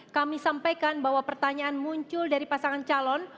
kami sampaikan bahwa pertanyaan muncul dari pasangan calon